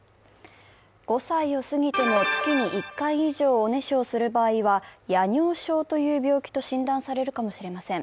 ５歳を過ぎても月に１回以上おねしょをする場合は夜尿症という病気と診断されるかもしれません。